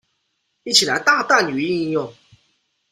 一起來大啖語音應用